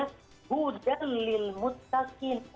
dan kita harus mencari petunjuk